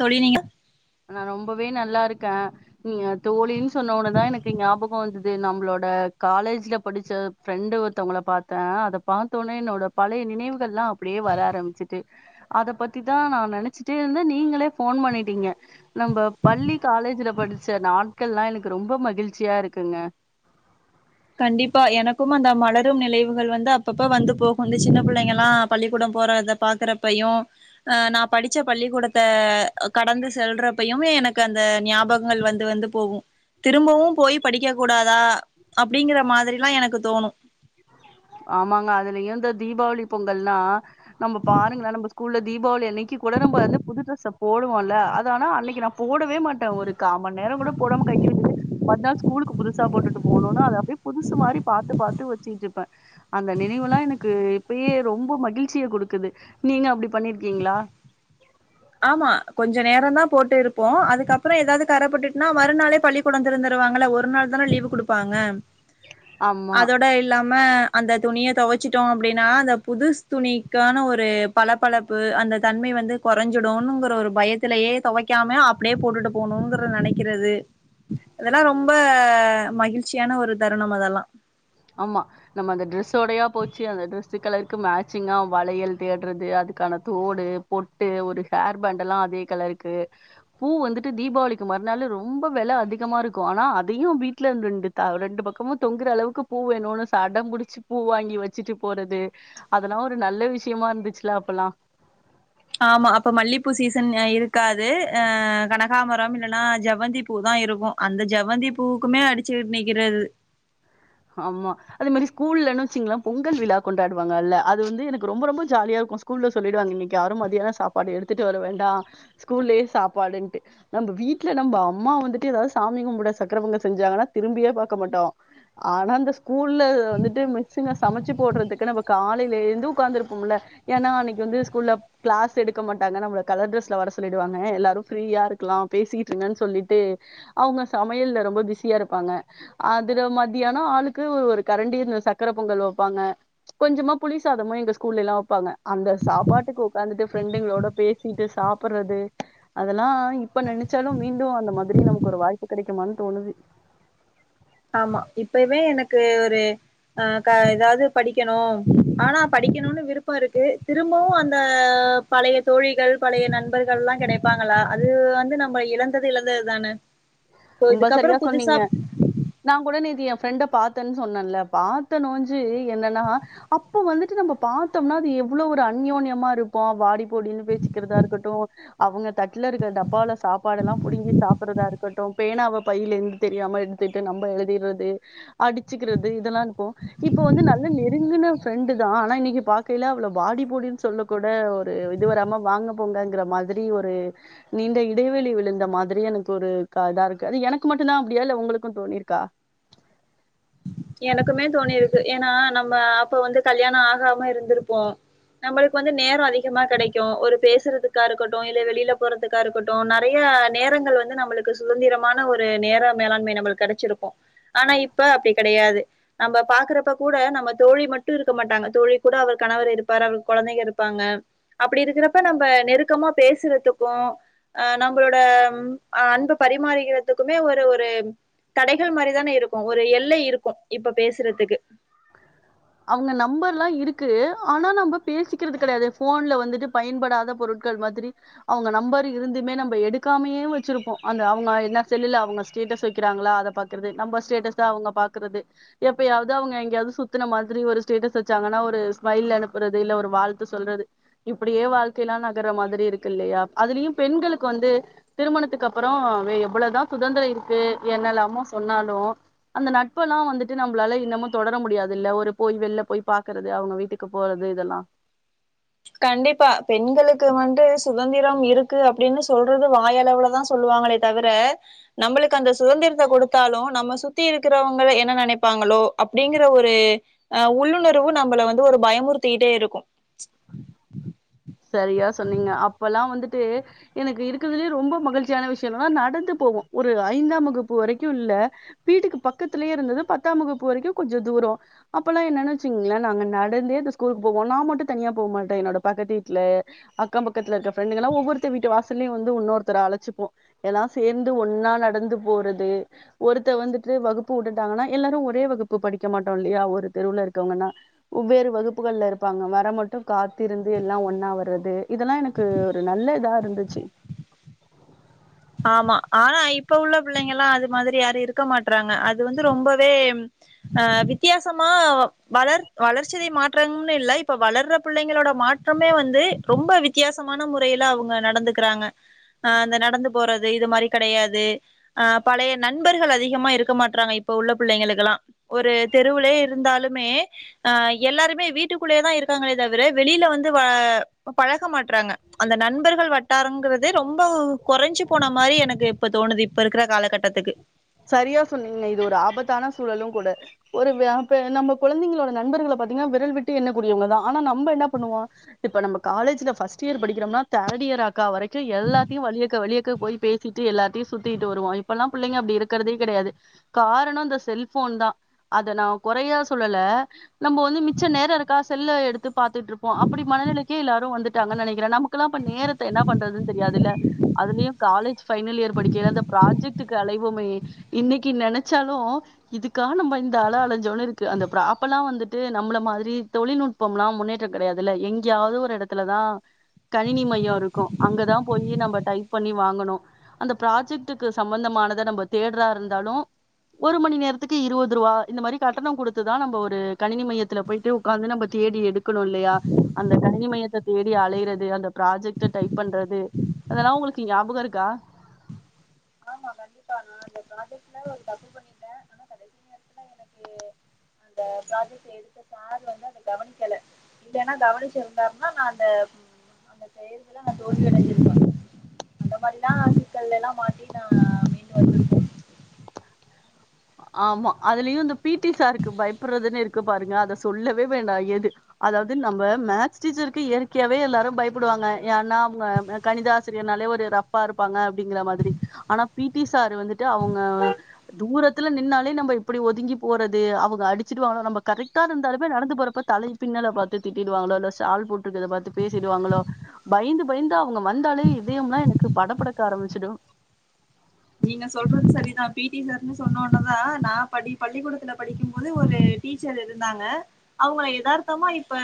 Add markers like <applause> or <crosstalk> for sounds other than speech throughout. தோழி நீங்க நா ரொம்பவே நல்லா இருக்க நீங்க தோழின்னு சொன்ன உடன்தா எனக்கு நியாபகம் வந்தது இது நம்மளோட காலேஜ்ல படிச்ச ஃப்ரெண்டு ஒருத்தவங்கள பாத்த அத பாத்த ஒடனே என்னோட பழைய நினைவுகள்லாம் அப்டியே வர ஆரம்பிச்சுட்டு அத பத்திதா நா நெனச்சுட்டே இருந்தே நீங்களே போன் பண்ணிட்டீங்க நம்ப பள்ளி காலேஜ்ல படிச்ச நாட்கள்ல்லாம் எனக்கு ரொம்ப மகிழ்ச்சியா இருக்குங்க கண்டிப்பா எனக்கும் அந்த மலரும் நிலைவுகள் வந்து அப்பப்ப வந்து போகும் இந்த சின்ன புள்ளைங்கல்லா பள்ளிக்கூடம் போறத பாக்குறப்பையு அஹ் நா படிச்ச பள்ளிக்கூடத்த கடந்து செல்றப்பயும் எனக்கு அந்த நியாபகங்கள் வந்து வந்து போகும் திரும்பவும் போய் படிக்க கூடாதா அப்டிங்கற மாதிரில்லா எனக்கு தோணு ஆமாங்க அதுலயும் இந்த தீபாவளி பொங்கல்னா நம்ப பாருங்களே நம்ப ஸ்கூல்ல தீபாவளி அன்னைக்கு கூட நம்ப வந்து புது டிரெஸ்ஸ போடுவோல்ல அது ஆனா அன்னைக்கு நா போடவே மாட்ட ஒரு கா மண் நேரம் கூட போடாம கழட்டி வெச்சுட்டு மறுநாள் ஸ்கூலுக்கு புதுசா போட்டுட்டு போணுன் னா அத அப்டி புதுசு மாரி பாத்து பாத்து வெச் சுக்கிட்டுருப்ப அந்த நினைவுகல்லாம் எனக்கு இப்பயே ரொம்ப மகிழ்ச்சிய குடுக்குது நீங்க அப்டி பண்ணிருக்கீங்களா ஆமா கொஞ்ச நேரந்தா போட்டே இருப்போ அதுக்கப்பறொ எதாவது கரபட்டுட்டுனா மறுநாளே பள்ளி கூடம் தெறந்துருவாங்களா ஒரு நாள் தான லீவ் குடுப்பாங்க ஆமா அதோட இல்லாம அந்த துணிய தொவச்சுட்டோ அப்டின்னா அந்த புதுஸ் துணிக்கான ஒரு பளபளப்பு அந்த தன்மை வந்து கொறஞ் கொறஞ்சிடுனுங்கிற ஒரு பயத்திலயே தொவைக்காம அப்டியே போட்டுட்டு போனுங்குறத நெனைக்கிறது அதெல்லாம் ரொம்ப மகிழ்ச்சியான ஒரு தருணம் அதெல்லா ஆமா நம்ம அந்த ட்ரெஸ்ஸோடயா போச்சு அந்த ட்ரெஸ் கலருக்கு மேச்சிங்கா வளையல் தேட்றது அதுக்கான தோடு பொட்டு ஒரு ஹேர் பேண்ட எல்லா அதே கலருக்கு பூ வந்துட்டு தீபாவளிக்கு மறுநாளு ரொம்ப வெல அதிகமா இருக்கு ஆனா அதயும் வீட்டுல <unintelligible> ரெண்டு ரெண்டு பக்கமு தொங்குற அளவுக்கு பூ வேணுனு சடம் புடிச்சு பூ வாங்கி வெச்சிட்டு போறது அதெல்லா ஒரு நல்ல விஷயமா இருந்துச்சுல அப்பெல்லா ஆமா அப்ப மல்லிப்பூ சீசன் ய இருக்காது அஹ் கனகாம்பரம் இல்லன்னா ஜெவ்வந்தி பூ தா இருக்கும் அந்த ஜெவ்வந்தி பூவுக்குமே அடிசுக்கிட் நிக்கிறது ஆமா அதே மாரி ஸ்கூல்லனா வெச்சீங்கள பொங்கல் விழா கொண்டாடுவாங்கல்ல அது வந்து எனக்கு ரொம்ப ரொம்ப ஜாலியா இருக்கும் ஸ்கூல்ல சொல்லிடுவாங்க இன்னைக்கு யாரும் மதியானம் சாப்பாடு எடுத்துட்டு வர வேண்டா ஸ்கூல்லயே சாப்பாடுன்ட்டு நம்ப வீட்டுல நம்ப அம்மா வந்துட்டு எதாவது சாமி கும்பிட சக்கரபொங்கல் செஞ்சாங்கன்னா திரும்பியே பாக்க மாட்டோ ஆனா அந்த ஸ்கூல்ல வந்துட்டு மிஸ்சுங்க சமச்சு போடுறதுக்கு நம்ம காலைய்ல இருந்து உட்காந்துருப்போம்ல ஏன்னா அன்னைக்கு வந்து ஸ்கூல்ல கிளாஸ் எடுக்க மாட்டாங்க நம்மள கலர் ட்ரெஸ்ல வர சொல்லிடுவாங்க எல்லாரும் ஃப்ரீயா இருக்கலா பேசிக்கிட்டு இருங்கன்னு சொல்லிட்டு அவங்க சமயல்ல ரொம்ப பிஸியா இருபாங்க அதுல மதி மதியானோ ஆளுக்கு ஒரு கரண்டி இந்த சக்கர பொங்கல் வைப்பாங்க கொஞ்சமா புளி சாதமு எங்க ஸ்கூல்லைலா வப்பாங்க அந்த சாப்பாட்டுக்கு உக்காந்துட்டு ஃப்ரெண்டுங்களோட பேசிட்டு சாப்புடுறது அதெல்லா இப்ப நெனச்சாலு மீண்டு அந்த மாதிரி நமக்கு ஒரு வாய்ப்பு கிடைக்குமானு தோணுது ஆமா இப்பவே எனக்கு ஒரு அஹ் க எதாவது படிக்கணு ஆனா படிக்கணுனு விருப்பம் இருக்கு திரும்பவும் அந்த பழைய தோழிகள் பழைய நண்பர்கள் எல்லா கெடைப்பாங்களா அது வந்து நம்ம இழந்தது இழந்ததுதான சோ ரொம்ப இதுக்கப்பறொ சரியா சொன்னீங்க புதுசா நா கூட நேத்து ஏ ஃப்ரண்ட பாத்தன்னு சொன்னேன்ல பாத்தனோஞ்சு என்னன்னா அப்ப வந்துட்டு நம்ம பாத்தம்னா அது எவ்ளோ ஒரு அன்யோன்யமா இருப்போ வாடி போ போடினு பேச்சிக்கிறதா இருக்கட்டு அவுங்க தட்ல இருக்க டப்பாவுல சாப்பாடெல்லாம் புடுங்கி சாப்புடறதா இருக்க பேனாவ பைய்ல இருந்து தெரியாம எடுத்துட்டு நம்ம எழுதிற்றது அடிச்சுக்கிறது இதெல்லா இருப்போ இப்ப வந்து நல்ல நெருங்கின ஃப்ரண்டுதா ஆனா இன்னைக்கு பாக்கயில அவள வாடி போடினு சொல்ல கூட ஒரு இது வராம வாங்க போங்கங்கிற மாதிரி ஒரு நீண்ட இடைவெளி விழுந்த மாதிரி எனக்கு ஒரு க இதா இருக்கு அது எனக்கு மட்டுந்தா அப்டியா இல்ல உங்களுக்கு தோணிருக்கா எனக்குமே தோணிருக்கு ஏன்னா நம்ம அப்ப வந்து கல்யாணோ ஆகாம இருந்துருப்போ நம்மளுக்கு வந்து நேரோ அதிகமா கெடைக்கூ ஒரு பேசுறதுக்கா இருக்கட்டு இல்ல வெளில போறதுக்கா இருக்கட்டும் நெறையா நேரங்கள் வந்து நம்மளுக்கு சுதந்திரமான ஒரு நேர மேலாண்மை நம்மளுக்கு கெடச்சுருக்கு ஆனா இப்ப அப்டி கெடையாது நம்ம பாக்குறப்ப கூட நம்ம தோழி மட்டு இருக்க மாட்டாங்க தோழி கூட அவர் கணவர் இருப்பாரு அவர் கொழந்தைங்க இருப்பாங்க அப்டி இருக்குறப்ப நம்ம நெருக்கமா பேசுறதுக்கும் ஆ நம்மளோட அன்ப பரிமாறிக்கிறதுக்குமே ஒரு ஒரு தடைகள் மாரி தான இருக்கூ ஒரு எல்லை இருக்கூ இப்ப பேசுறதுக்கு அவுங்க நம்பர்ல்லா இருக்கு ஆனா நம்ப பேசிக்கிறது கெடையாது ஃபோன்ல வந்துட்டு பயன்படாத பொருட்கள் மாதிரி அவுங்க நம்பர் இருந்துமே நம்ப எடுக்காமயே வச்சிருப்போ அந்த அவுங்க என்ன செல்லுல அவுங்க ஸ்டேட்டஸ் வைக்கிறாங்களா அத பாக்குறது நம்ப ஸ்டேட்டஸ் ஸ அவுங்க பாக்குறது எப்பயாவது அவுங்க எங்கேயாவது சுத்தின மாதிரி ஒரு ஸ்டேட்டஸ் வெச்சாங்கன்னா ஒரு ஸ்மைல் அனுப்புறது இல்ல ஒரு வாழ்த்து சொல்றது இப்டியே வாழ்க்கைலா நகர்ற மாதிரி இருக்கு இல்லையா அதுலயு பெண்களுக்கு வந்து திருமணத்துக்கு அப்புறோ எவ்ளவுதா சுதந்திரோ இருக்கு என்னல்லாமோ சொன்னாலு அந்த நட்பலா வந்துட்டு நம்மளால இன்னமோ தொடர முடியாது இல்ல ஒரு போய் வெளில போய் பாக்குறது அவுங்க வீட்டுக்கு போறது இதெல்லா கண்டிப்பா பெண்களுக்கு வந்து சுதந்திரம் இருக்கு அப்டின்னு சொல்றது வாய் அளவுல தான் சொல்லுவாங்களே தவிர நம்பளுக்கு அந்த சுதந்திரத்த கொடுத்தாலு நம்ம சுத்தி இருக்கிறவங்கள என்ன நெனைப்பாங்களோ அப்டிங்கற ஒரு அ உள்ளுணர்வு நம்பள வந்து ஒரு பயமுறுத்திகிட்டே இருக்கும் சரியா சொன்னீங்க அப்பல்லா வந்துட்டு எனக்கு இருக்குறதுலயே ரொம்ப மகிழ்ச்சியான விஷய என்னன்னா நடந்து போவோ ஒரு ஐந்தாம் வகுப்பு வரைக்கு இல்ல வீட்டுக்கு பக்கத்துலயே இருந்தது பத்தாம் வகுப்பு வரைக்கு கொஞ்ச தூரோ அப்பல்லா என்னன்னு வச்சீங்களேன் நாங்க நடந்தே இந்த ஸ்கூலுக்கு போவோ நான் மட்டு தனியா போ மாட்டேன் என்னோட பக்கத்து வீட்டு வீட்ல அக்கம் பக்கத்துல இருக்க ஃபிரெண்டுங்கலா ஒவ்வோர்ததி வீட்டு வாசலயு வந்து ஒன்னோர்த்தர அழச்சிப்போ எல்லா சேந்து ஒன்னா நடந்து போறது ஒருத்தர் வந்துட்டு வகுப்பு வுட்டுட்டுடாங்கன்னா எல்லாரு ஒரே வகுப்பு படிக்க மாட்டோ இல்லையா ஒரு தெருவுல இருக்கவுங்கன்னா ஒவ்வேறு வகுப்புகள்ல இருப்பாங்க வர மட்டு காத்திருந்து எல்லா ஒன் னாவர்றது இதெல்லா எனக்கு ஒரு நல்ல இதா இருந்துச்சி ஆமா ஆனா இப்ப உள்ள பிள்ளைங்கலா அது மாதிரி யாரு இருக்க மா ட்ராங்க அது வந்து ரொம்பவே அ வித்தியாசமா வளர் வளர்ச்சிதை மாற்றம்னு இல்ல இப்ப வளர்ற பிள்ளைங்களோட மாற்றமே வந்து ரொம்ப வித்தியாசமான முறையில அவுங்க நடந்துக்கிறாங்க அந்த நடந்து போறது இது மாரி கடையாது ஆ பழைய நண்பர்கள் அதிகமா இருக்க மாட்றாங்க இப்ப உள்ள பிள்ளைங்களுக்குல்லா ஒரு தெருவுலயே இருந்தாலுமே அ எல்லாருமே வீட்டுக்குள்ளேயே தான் இருக்காங்களே தவிர வெளில வந்து வ பழக மாட்றாங்க அந்த நண்பர்கள் வட்டாரங்கறது ரொம்ப குறஞ்சு போன மாரி எனக்கு இப்ப தோணுது இப்ப இருக்குற காலகட்டத்துக்கு சரியா சொன்னீங்க இது ஒரு ஆபத்தான சூழலும் கூட ஒரு வ ப நம்ம குழந்தைகளோட நண்பர்கள பாத்தீங்கன்னா விரல் விட்டு என்ன கூடியவங்க தான் ஆனா நம்ப என்னா பண்ணுவோ இப்ப நம்ம காலேஜ்ல ஃபர்ஸ்ட் இயர் படிக்கிறோம்னா தேர்ட் இயர் அக்கா வரைக்கு எல்லாத்தையு வழியக்க வழியக்க போய் பேசிட்டு எல்லாடத்தியு சுத்திட்டு வருவோ இப்பல்லாம் பிள்ளைங்க அப்டி இருக் க்குறதே கெடையாது காரணோ இந்த செல்ஃபோன்தா அத நா கொறையா சொல்லல நம்ம வந்து மிச்ச நேரோ இருக்கா செல்ல எடுத்து பாத்துட்டுருப்போ அப்டி மனநிலைக்கே எல்லாரு வந்துட்டாங்கன்னு நெனைக்கிறே நமக்குல்லா இப்ப நேரத்த என்ன பண்றது தெரியாதுல்ல அதுலயு காலேஜ் ஃபைனல் இயர் படிக்கையில அந்த ப்ராஜெக்ட் நெட்டுக்கு அலைவோமே இன்னைக்கி நெனச்சாலு இதுக்காக நம்ப இந்த அள அழஞ்சோன்னு இருக்கு அந்த ப்ராப் அப்பல்லா வந்துட்டு நம்மள மாதிரி தொழில் நுட்பம்ல்லா முன்னேற்ற கெடையாதுல்ல எங்கேயாவது ஒரு எடத்துலதா கணினி மையோ இருக்கூ அங்கதான் போயி நம்ப டைப் பண்ணி வாங்கனு அந்த ப்ராஜெக்ட்டுக்கு சம்பந்தமானத நம்ப தேடுறா இருந்தாலு ஒரு மணி நேரத்துக்கு இருவதுருவா இந்த மாரி கட்டணோ குடுத்துதா நம்ம ஒரு கணினி மையத்துல போயிட்டு ஒக்காந்து நம்ம தேடி எடுக்கணோ இல்லையா அந்த கணினி மையத்த தேடி அலையுறது அந்த ப்ராஜெக்ட டைப் பண்றது அதெல்லா உங்குளுக்கு ஞாபகோ இருக்கா <unintelligible> அந்த ப்ராஜெக்ட்ல ஒரு தப்பு பண்ணிட்ட ஆனா கடைசி நேரத்துல எனக்கு அந்த ப்ராஜெக்ட் எடுத்த சார் வந்து அத கவனிக்கல இல்லன்னா கவனிச்சிருந்தாருனா நான் அந்த அந்த செய்கள நான் தோல்வி அடஞ்சிருப்ப அந்த மாரிலா சிக்கல் எல்லா மாட்டி நா <unintelligible> ஆமா அதுலயு இந்த பி டி சாருக்கு பயப்படுறதுன்னு இருக்கு பாருங்க அத சொல்லவே வேண்டா எது அதாவது நம்ப மேக்ஸ் டீச்சருக்கு இயற்கையாவே எல்லாரு பயப்படுவாங்க ஏனா அவுங்க கணித ஆசிரியர்னாலே ஒரு ரஃப்பா இருப்பாங்க அப்டிங்கிற மாதிரி ஆனா பி டி சாரு வந்துட்டு அவுங்க தூர த்துல நின்னாலே நம்ம இப்படி ஒதுங்கி போறது அவங்க அடிச்சிடுவாங்களோ நம்ம கரெக்டா இருந்தாலுமே நடந்து போறப்ப தலை பின்னல பாத்து திட்டிடுவாங்களோ இல்ல ஷால் போட்டுருக்கத பாத்து பேசிடுவாங்களோ பயந்து பயந்து அவங்க வந்தாலே இதயம்ல்லா எனக்கு படப்படக்க ஆரம்பிச்சிடு நீங்க செல்றது சரிதா பி டி சார்ன்னு சொன்ன ஒடன தா நா படி பள்ளிக்கூடத்துல படிக்கும் போது ஒரு டீச்சர் இருந்தாங்க அவங்கள எதார்த்தமா இப்ப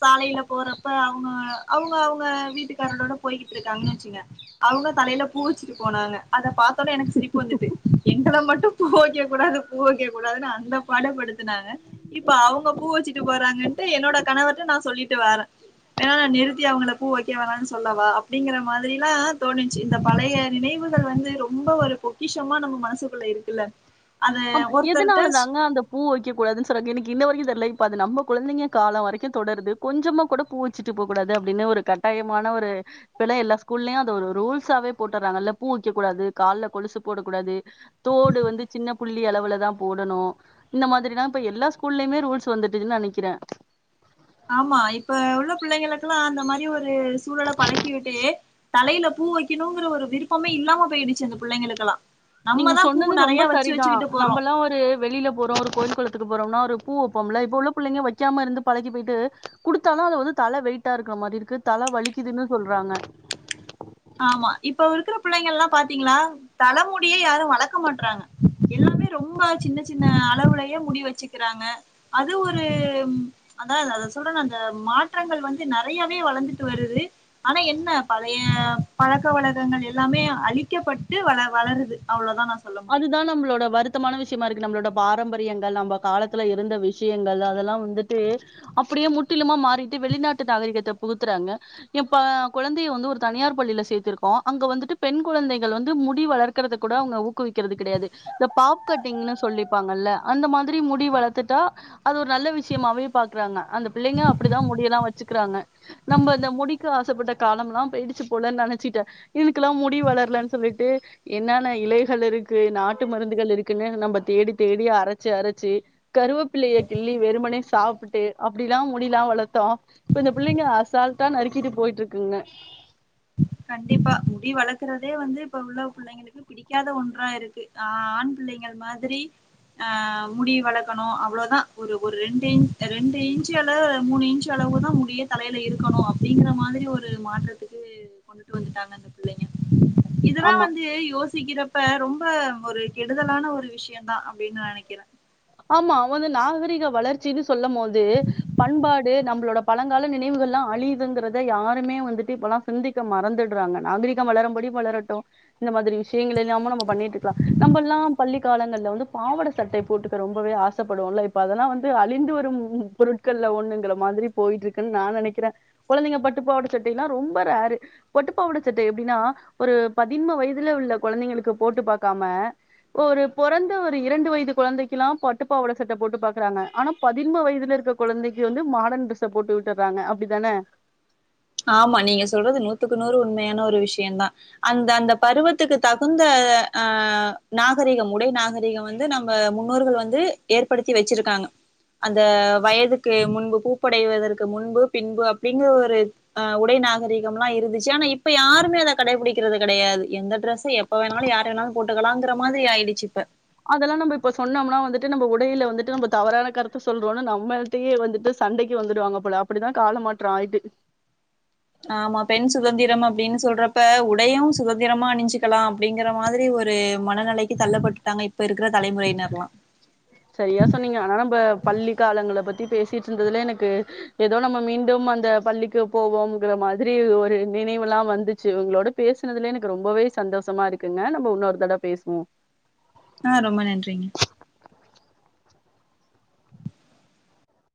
சாலைல போறப்ப அவங்க அவங்க அவங்க வீட்டுக்காரோட போய்கிட்டு இருக்காங்கன்னு வச்சுங்க அவங்க தலையில பூ வச்சுட்டு போனாங்க அத பா பாத‌ ஒனே எனக்கு சிரிப்பு வந்துட்டு எங்கள மட்டு பூ கூடது பூ வைக்க கூடாதுன்னு அந்த பாட படுத்துனாங்க இப்ப அவங்க பூ வச்சுட்டு போறாங்கன்ட்டு என்னோட கணவர்ட நா சொல்லிட்டு வாரே வேன்னா நிறுத்தி அவங்கள பூ வைக்க வேன்னனு சொல்லவா அப்டிங்கிற மாதிரிலா தோணுச்சு இந்த பழைய நினைவுகள் வந்து ரொம்ப ஒரு பொக்கிஷமா நம்ம மனசுக்குள்ள இருக்குல ஆமா எதனால தான்ங்க அந்த பூ வைக்கக் கூடாதுன்னு சொல்றாங்க எனக்கு இன்ன வரைக்கு இல்ல இப்ப அது நம்ம கொழந்தைங்க கால வரைக்கு தொடருது கொஞ்சமா கூட பூ வச்சுட்டு போ கூடாது அப்டின்னு ஒரு கட்டாயமான ஒரு இப்பெல்லா எல்லா ஸ்கூல்லயு அது ஒரு ரூல்ஸாவே போட்டுறாங்கல்ல பூ வெக்க கூடாது கால்ல கொலுசு போட கூடாது தோடு வந்து சின்ன புள்ளி அளவுலதா போடணு இந்த மாதிரிதா இப்ப எல்லா ஸ்கூல்லயுமே ரூல்ஸ் வந்துட்டுன்னு நெனைக்கிறே ஆமா இப்ப உள்ள பிள்ளைங்களுக்குல்லா அந்த மாரி ஒரு ஒரு சூழல பழக்கி விட்டு தலையில பூ வைக்கணுங்கிற ஒரு விருப்பமே இல்லாம போயிடுச்சு அந்த பிள்ளைங்களுக்குல்லா நீங்க சொன்னது ரொம்ப சரிதா போறோ நம்மல்லா ஒரு வெளியில போறோ ஒரு கோயில் குழ த்துகு போறோம்னா ஒரு பூ வப்பம்ல இப்ப உள்ள புள்ளைங்க வைக்காம இருந்து பழக்கி போயிட்டு குடுத்தாலு அது வந்து தல வெயிட்டா இருக்கிற மாரி இருக்கு தல வலிக்குதுன்னு சொல்றாங்க ஆமா இப்ப இருக்கிற பிள்ளைங்கல்லா பாத்தீங்களா தலமுடிய யாரு வளக்க மாட்டறாங்க எல்லாமே ரொம்ப சின்ன சின்ன அளவுலயே முடி வச்சுக்கிறாங்க அது ஒரு அதா அத சொல்றே அந்த மாற்றங்கள் வந்து நெறையாவே வளந்துட்டு வருது ஆனா என்ன பழைய பழக்க வழக்கங்கள் எல்லாமே அழிக்கப்பட்டு வள வளருது அவ்ளோதா சொல்ல முடியு அதுதா நம்மளோட வருத்தமான விஷயமாருக்கு நம்ளோட பாரம்பரியங்கள் நம்ப காலத்துல இருந்த விஷ்யங்கள் அதெல்லா வந்துட்டு அப்டியே முற்றிலுமா மாறிட்டு வெளிநாட்டு நகரகத்த புகுத்துறாங்க என் பா கொழந்தைய வந்து ஒரு தனியார் பள்ளில்ல சேத்திருக்கோம் அங்க வந்துட்டு பெண் கொழந்தைகள் வந்து முடி வளர்க்கறதக்கூட அவுங்க குவிக்கேறது கெடையாது இந்த பாப் கட்டிங்ன்னு சொல்லிப்பாங்கல்ல அந்த மாதிரி முடி வளர்த்துட்டா அது ஒரு நல்ல விஷ்யமாவே பாக்கறாங்க அந்த பிள்ளைங்க அப்புடிதா முடியெல்லா வச் ச்சிக்கறாங்க நம்ம இந்த முடிக்காசப்பட்ட காலம்லா பேயிடுச்சி போல நெனைச்சிட்டே இதுக்கெல்லா முடி வளர்லன்னு சொல்லிட்டு என்னான்ன இலை செலருக்கு நாட்டு மருந்துகள் இருக்குன்னு நம்ம தேடி தேடியா அரைச்சு அரைச்சு கருவெப்பிள்ளைய கிள்ளி வெறுபனே சாப்புட்டு அப்டில்லா முடிலா வளர்த்தோ இப்ப இந்த பிள்ளைங்க அசால்ட்டா நறுக்கிட்டு போயிட்டு இருக்குங்க கண்டிப்பா முடி வளர்க்கறதே வந்து இப்ப உள்ள புள்ளைங்களுக்கு பிடிக்காத ஒன்றா இருக்கு ஆ-ஆ-ஆண் புள்ளைங்க மாதிரி ஆ முடி வளக்கணு அவ்ளேவுதா ஒரு ஒரு ரெண்டு இன் ரெண்டு இன்ச் அள மூணு இன்சு அளவுதா முடியே தலையில இருக்கணு அப்டிங்கிற மாதிரி ஒரு மாற்றத்துக்கு கொண்டுட்டு வந்துட்டாங்க அந்த புள்ளைங்க இதெல்லா ஆமா வந்து யோசி சிக்கிறப்ப ரொம்ப ஒரு கெடுதலான ஒரு விஷ்யோ தா அப்டின்னு நா நெனைக்கிறே ஆமா அவுங்‌ வந்து நாகரிக வளர்ச்சின்னு சொல்லும் போது பண்பாடு நம்மளோட பழங்கால நினைவுகள்லா அழியுதுங்கறத யாருமே வந்துட்டு இப்பலா சிந்திக்க மறந்துடறாங்க நாகரிகம் வளரும்படி வளரட்டு இந்த மாதிரி விஷ் <unintelligible> இல்லாம நம்போ பண்ணிட்ருக்கலா நம்பல்லாம் பள்ளிகாலங்கள்ல வந்து பாவட சட்டை போட்டுக்க ரொம்பவே ஆசப்படுவோல்ல இப்ப அதெல்லா வந்து அழிந்து வரும் ம் பொருட்கள்ல ஒண்ணுங்கற மாதிரி போயிட்டு இருக்குன்னு நா நெனைக்கிறே கொழந்தைங்க பட்டுப்பாவட சட்டையெல்லா ரொம்ப ரேர்ரு பட்டுப்பாவாட சட்டை எப்டின்னா ஒரு பதின்ம வயதுல உள்ள கொழந்தைங்களுக்கு போட்டு பாக்காம ஒரு பொறந்த ஒரு இரண்டு வயது கொழந்தைக்கெல்லா பட்டுப்பாவாட சட்ட போட்டு பாக்கறாங்க ஆனா பதின்ம வயதுல இருக்குற கொழந்தைக்கு வந்து மாடர்ன் ட்ரெஸ்ஸ போட்டு விட்டர்றாங்க அப்டித்தான ஆமா நீங்க சொல்றது நூத்துக்கு நூறு உண்மையான ஒரு விஷ்யோதா அந்த அந்த பருவத்துக்கு தகுந்த அ நாகரிகம் உடை நாகரீகம் வந்து நம்ப முன்னோர்கள் வந்து ஏற்படுத்தி வெச்சிருக்காங்க அந்த வயதுக்கு முன்பு பூப்படைவதற்கு முன்பு பின்பு அப்டிங்கற ஒரு அ உடைநாகரீகம்லா இருந்துச்சு ஆனா இப்ப யாருமே அத கடைபிடிக்கிறது கெடையாது எந்த ட்ரெஸை எப்ப வேணாலு யாரு வேணாலு போட்டுக்கலாங்கற மாதிரி ஆயிடுச்சு இப்ப அதெல்லா நம்ப இப்ப சொன்னோம்னா வந்துட்டு நம்போ உடையில வந்துட்டு நம்ப தவறான கருத்த சொல்றோம்ன்னு நம்ள்ட்டயே வந்துட்டு சண்டைக்கு வந்துடுவாங்க போல அப்டிதா காலமாற்றோ ஆயிட்டு ஆமா பெண் சுகதந்திரம் அப்டின்னு சொல்றப்ப உடையும் சுகதந்திரமா அணிஞ்சுக்கலாம் அப்டிங்கற மாதிரி ஒரு மனநெலைக்கு தள்ளப்பட்டுட்டாங்க இப்ப இருக்கற தலைமுறையினர்ல்லாம் சரியா சொன்னீங்க ஆனா நம்ப பள்ளி காலங்கல்ல பத்தி பேசிட்டு இருந்ததுல எனக்கு ஏதோ நம்ம மீண்டும் அந்த பள்ளிக்கு போவோம்ங்கற மாதிரி ஒரு நினைவெல்லா வந்துச்சு உங்களோட பேசுனதுல எனக்கு ரொம்பவே சந்தோஷமாருக்குங்க நம்போ இன்னொரு தட பேசுவோ அ ரொம்ப நன்றிங்க